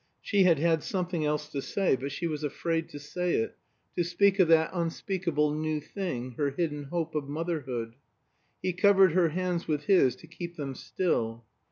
She had had something else to say. But she was afraid to say it, to speak of that unspeakable new thing, her hidden hope of motherhood. He covered her hands with his to keep them still.